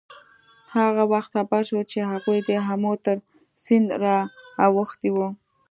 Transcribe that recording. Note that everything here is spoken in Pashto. هغه وخت خبر شو چې هغوی د آمو تر سیند را اوښتي وو.